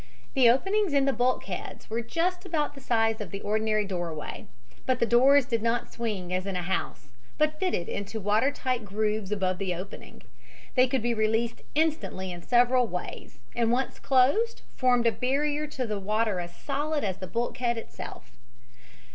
The openings in the bulkheads were just about the size of the ordinary doorway, but the doors did not swing as in a house, but fitted into water tight grooves above the opening. They could be released instantly in several ways, and once closed formed a barrier to the water as solid as the bulkhead itself.